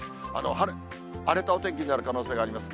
春、荒れたお天気になる可能性があります。